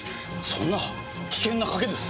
そんな危険な賭けです。